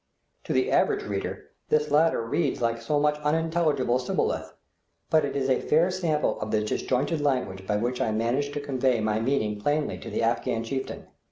To the average reader this latter reads like so much unintelligible shibboleth; but it is a fair sample of the disjointed language by which I manage to convey my meaning plainly to the Afghan chieftain.